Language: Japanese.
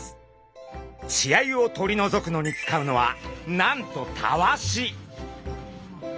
血合いを取り除くのに使うのはなんとタワシ。